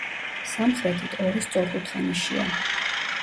სამხრეთით ორი სწორკუთხა ნიშია.